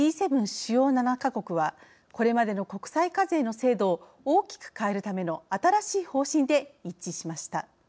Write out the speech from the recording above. ・主要７か国はこれまでの国際課税の制度を大きく変えるための新しい方針で一致しました。